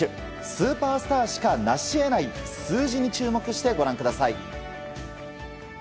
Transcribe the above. スーパースターしかなし得ない数字に注目してご覧ください。